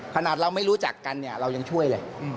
ขนาดเราไม่รู้จักกันเนี่ยเรายังช่วยเลย